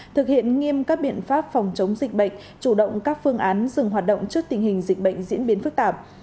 thực hiện nghiêm các biện pháp phòng chống dịch bệnh chủ động các phương án dừng hoạt động trước tình hình dịch bệnh diễn biến phức tạp